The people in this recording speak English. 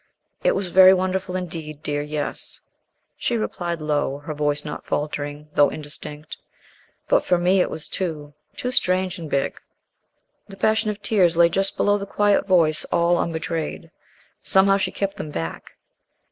"It was very wonderful indeed, dear, yes," she replied low, her voice not faltering though indistinct. "But for me it was too too strange and big." The passion of tears lay just below the quiet voice all unbetrayed. Somehow she kept them back.